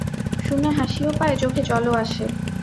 শুনে হাসিও পায়, চোখে জলও আসে।